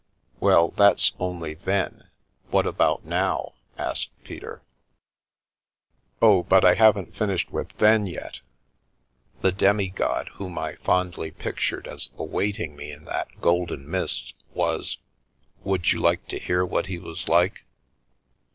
"Well, that's only 'then.' What about 'now'?" asked Peter. n The Milky Way "Oh, but I haven't finished with 'then' yet. The demi god whom I fondly pictured as awaiting me in that golden mist was — would you like to hear what he was like?